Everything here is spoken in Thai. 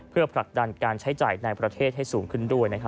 เพื่อผลักดันการใช้จ่ายในประเทศให้สูงขึ้นด้วย